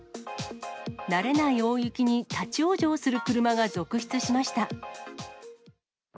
慣れない大雪に立往生する車が続出しました。